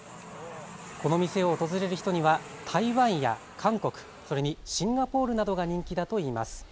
この店を訪れる人には台湾や韓国、それにシンガポールなどが人気だといいます。